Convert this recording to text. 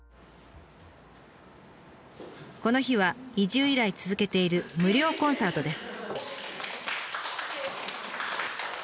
この日は移住以来続けている無料コンサートです。